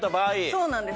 そうなんです